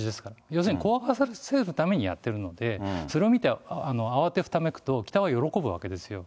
要するに怖がらせるためにやってるので、それを見て慌てふためくと、北は喜ぶわけですよ。